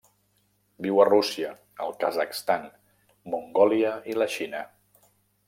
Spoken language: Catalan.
Viu a Rússia, el Kazakhstan, Mongòlia i la Xina.